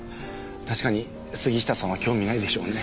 確かに杉下さんは興味ないでしょうね。